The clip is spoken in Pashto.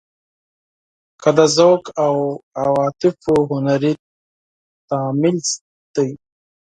که د ذوق او عواطفو هنري تمایل دی.